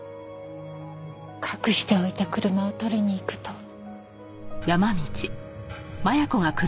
隠しておいた車を取りに行くと。